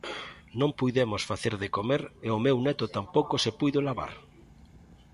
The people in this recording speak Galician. Non puidemos facer de comer e o meu neto tampouco se puido lavar.